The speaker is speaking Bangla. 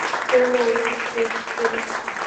না, না, আমাকে খাবে না।